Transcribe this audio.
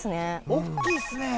大っきいっすね。